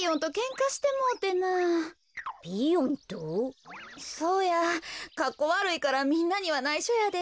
かっこわるいからみんなにはないしょやで。